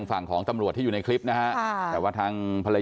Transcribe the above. ไปออกข่าวเรื่อยอะไรอย่างนี้